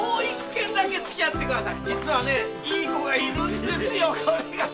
実はねいい娘がいるんですよ。